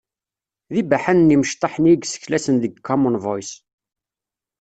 D ibaḥanen yimecṭaḥ-nni i yesseklasen deg common voice.